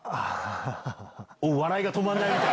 笑いが止まんないみたい。